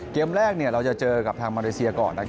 เกมแรกเราจะเจอกับทางมาเลเซียก่อน